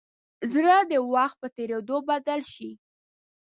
زړه د وخت په تېرېدو بدل شي.